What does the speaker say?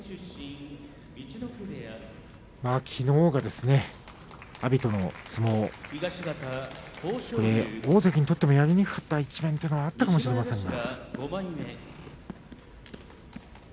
きのうが阿炎との相撲大関にとってもやりにくかった一番だったかもしれませんが。